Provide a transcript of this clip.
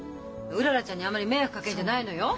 うららちゃんにあんまり迷惑かけんじゃないのよ。